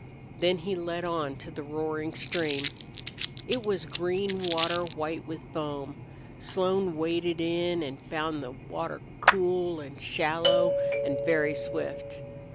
Then he led on to the roaring stream. It was green water white with foam. Slone waded in and found the water cool and shallow and very swift.